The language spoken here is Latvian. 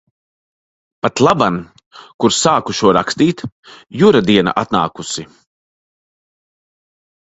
Patlaban, kur sāku šo rakstīt, Jura diena atnākusi.